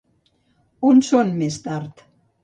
On són més tard?